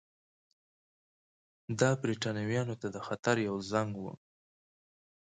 دا برېټانویانو ته د خطر یو زنګ وو.